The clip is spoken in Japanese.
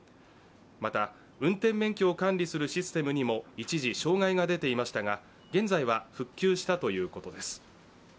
また、運転免許を管理するシステムにも一時、障害が出ていましたが現在は復旧したということです。